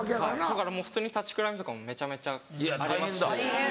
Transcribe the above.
だから普通に立ちくらみとかもめちゃめちゃありますし。